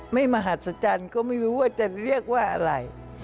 มหัศจรรย์ก็ไม่รู้ว่าจะเรียกว่าอะไร